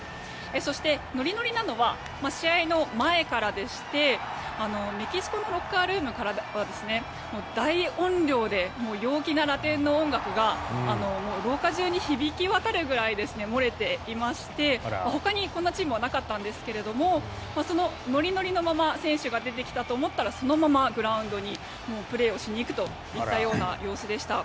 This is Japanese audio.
そしてノリノリなのは試合の前から出してメキシコのロッカールームからは大音量で陽気なラテンの音楽が廊下中に響き渡るぐらい漏れていまして、ほかにこんなチームはなかったんですがそのノリノリのまま選手が出てきたと思ったらそのままグラウンドにプレーをしにいくといったような様子でした。